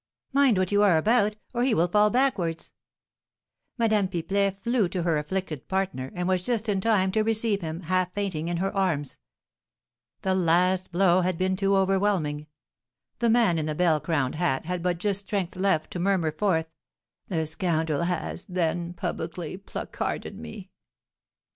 Mind what you are about, or he will fall backwards!" Madame Pipelet flew to her afflicted partner, and was just in time to receive him, half fainting, in her arms. The last blow had been too overwhelming, the man in the bell crowned hat had but just strength left to murmur forth, "The scoundrel has, then, publicly placarded me!"